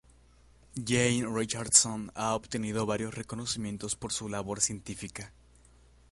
Jane Richardson ha obtenido varios reconocimientos por su labor científica.